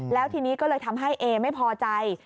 แล้วทีนี้ก็เลยทำให้เอไม่พอใจ